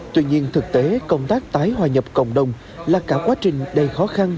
tuy nhiên thực tế công tác tái hòa nhập cộng đồng là cả quá trình đầy khó khăn